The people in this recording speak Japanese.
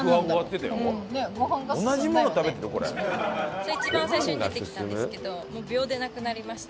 それ一番最初に出てきたんですけど秒でなくなりました。